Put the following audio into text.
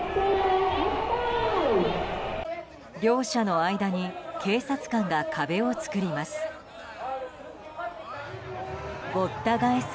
両者の間に警察官が壁を作ります。